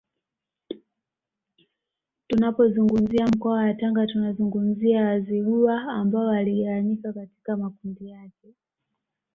Tunapozungumzia mkoa wa Tanga tunazungumzia Wazigua ambao waligawanyika katika makundi yake